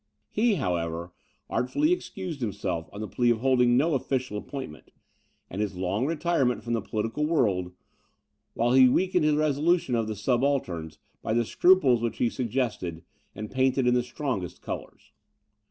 He, however, artfully excused himself, on the plea of holding no official appointment, and his long retirement from the political world; while he weakened the resolution of the subalterns by the scruples which he suggested, and painted in the strongest colours.